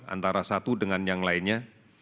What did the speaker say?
antara satu dengan yang lainnya